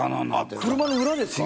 車の裏ですか？